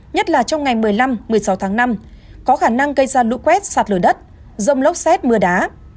nhất là trong ngày một mươi năm một mươi sáu tháng năm có khả năng gây ra lũ quét sạt lửa đất rông lốc xét mưa đá